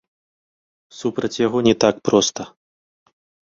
Супраць яго не так проста.